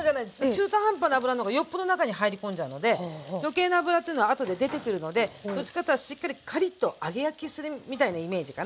中途半端な油の方がよっぽど中に入り込んじゃうので余計な油っていうのはあとで出てくるのでどっちかっていったらしっかりカリッと揚げ焼きするみたいなイメージかな。